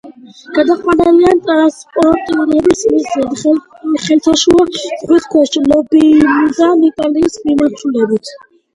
გაყვანილია ტრანსპორტირების მიზნით ხმელთაშუა ზღვის ქვეშ, ლიბიიდან იტალიის მიმართულებით.